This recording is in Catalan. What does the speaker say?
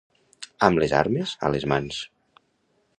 Amb les armes a les mans.